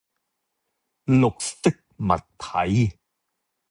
綠色物體